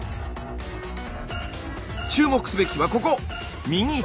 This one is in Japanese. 注目すべきはここ！